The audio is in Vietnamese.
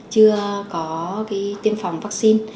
chưa có tiêm phòng vaccine